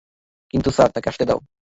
কিন্তু, স্যার--- - তাকে আসতে দাও।